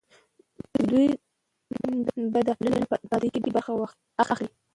دوی به د ټولنې په ابادۍ کې برخه اخلي.